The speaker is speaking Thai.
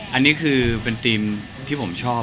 อันนี้คือเป็นธีมที่ผมชอบ